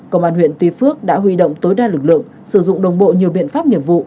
công an huyện tuy phước đã huy động tối đa lực lượng sử dụng đồng bộ nhiều biện pháp nghiệp vụ